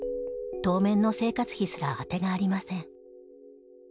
当面の生活費すら当てがありません。